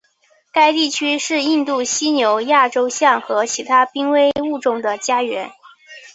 该地区是印度犀牛亚洲象和其他濒危物种的家园。